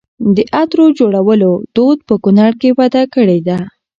د عطرو جوړولو دود په کونړ کې وده کړې ده.